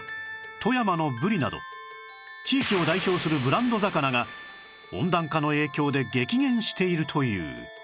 富山のブリなど地域を代表するブランド魚が温暖化の影響で激減しているという